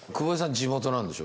地元なんでしょ。